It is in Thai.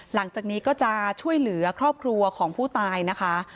หลังจากนี้ก็จะช่วยเหลือครอบครัวของผู้ตายนะคะ